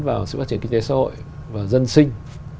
vào sự phát triển kinh tế xã hội và dân sinh